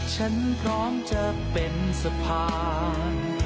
ฉันพร้อมจะเป็นสะพาน